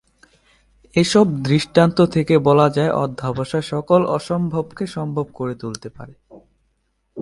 এসব দৃষ্টান্ত থেকে বলা যায় অধ্যবসায় সকল অসম্ভবকে সম্ভব করে তুলতে পারে।